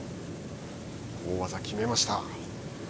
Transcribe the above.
大技を決めました。